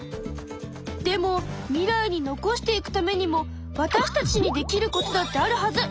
でも未来に残していくためにもわたしたちにできることだってあるはず！